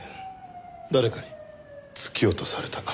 誰かに突き落とされた。